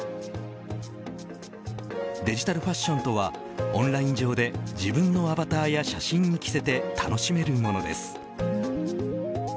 デジタルファッションとはオンライン上で自分のアバターや写真に着せて楽しめるものです。